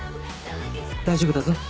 大丈夫だぞ。